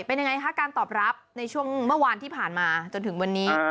เป็นยังไงคะการตอบรับในช่วงเมื่อวานที่ผ่านมาจนถึงวันนี้